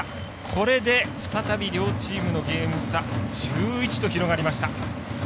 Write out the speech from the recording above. これで再び両チームのゲーム差１１と広がりました。